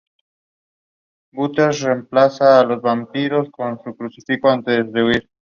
La banda lanzó varios álbumes y singles en Japón.